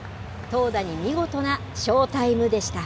投打に見事なショータイムでした。